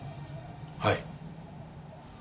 はい。